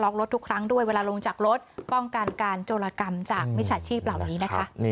รถทุกครั้งด้วยเวลาลงจากรถป้องกันการโจรกรรมจากมิจฉาชีพเหล่านี้นะคะ